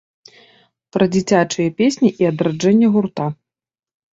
Пра дзіцячыя песні і адраджэнне гурта.